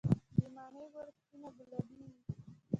د مڼې ګل سپین او ګلابي وي؟